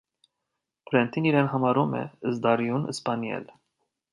Բրենդին իրեն համարում է զտարյուն սպանյել։